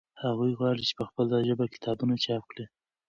هغوی غواړي چې په خپله ژبه کتابونه چاپ کړي.